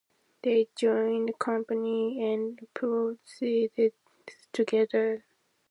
They joined company and proceeded together.